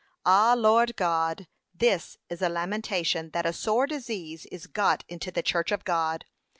'Ah! Lord God, this is a lamentation, that a sore disease is got into the church of God.'